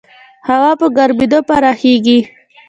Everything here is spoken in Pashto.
هوا په ګرمېدو پراخېږي.